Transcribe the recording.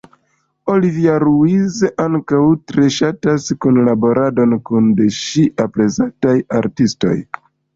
Olivia Ruiz ankaŭ tre ŝatas kunlaboradon kun de ŝi aprezataj artistoj.